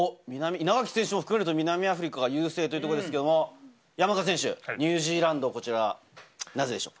稲垣選手を含めると南アフリカが優勢ですけれども、山中選手、ニュージーランド、こちらはなぜでしょう？